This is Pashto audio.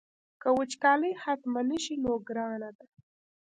که وچکالي ختمه نه شي نو ګرانه ده.